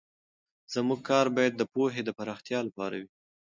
زموږ کار باید د پوهې د پراختیا لپاره وي.